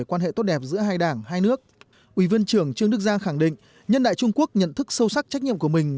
ủy viên trưởng trương đức giang khẳng định nhân đại trung quốc nhận thức sâu sắc trách nhiệm của mình